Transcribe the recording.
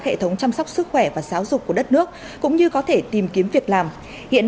hệ thống chăm sóc sức khỏe và giáo dục của đất nước cũng như có thể tìm kiếm việc làm hiện